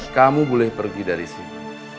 kamu boleh pergi dari sini